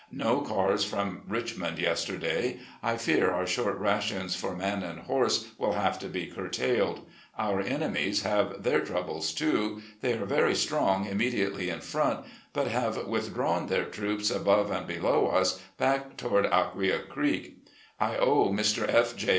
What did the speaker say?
No cars from Richmond yesterday. I fear our short rations for man and horse will have to ^ curtailed. Otir enemies have their troubles too. They are very strong immediately in front, but have with drawn their troops above and below us back toward Acquia Creek. I owe Mr. F. J.